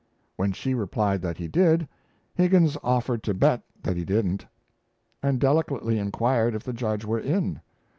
When she replied that he did, Higgins offered to bet that he didn't; and delicately inquired if the Judge were in.